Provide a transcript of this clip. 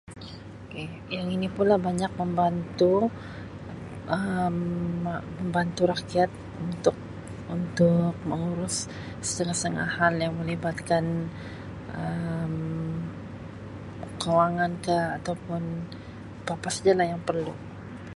K, yang ini pula banyak membantu Um me-membantu rakyat untuk-untuk mengurus setengah-setengah hal yang melibatkan Um kewangan ka ataupun pa-pa saja lah yang perlu.